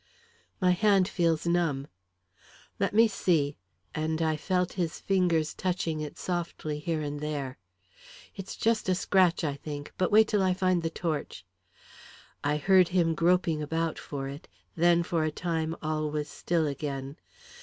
"My hand feels numb." "Let me see," and I felt his fingers touching it softly here and there. "It's just a scratch, I think. But wait till I find the torch." I heard him groping about for it; then for a time all was still again.